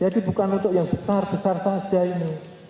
jadi bukan untuk yang besar besar saja ini